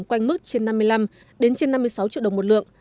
quanh mức trên năm mươi năm đến trên năm mươi sáu triệu đồng một lượng